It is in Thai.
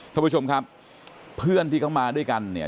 ท่านผู้ชมครับเพื่อนที่เขามาด้วยกันเนี่ย